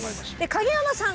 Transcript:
影山さん